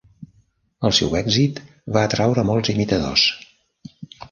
El seu èxit va atraure a molts imitadors.